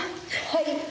はい。